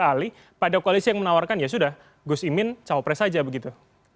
jadi apakah ini bisa beralih pada koalisi yang menawarkan ya sudah gus imin cawapres saja begitu